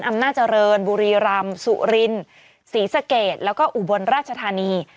อำนาจเจริญบุรีรำสุรินศรีสะเกดแล้วก็อุบลราชธานี